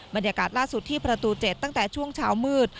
บรรยากาศล่าสุดที่ประตู๗ตั้งแต่ช่วงเช้ามืด